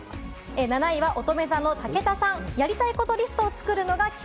７位はおとめ座の武田さん。